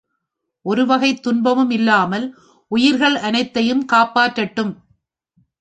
ஒரு வகைத் துன்பமும் இல்லாமல் உயிர்கள் அனைத்தையும் காப்பாற்றட்டும்!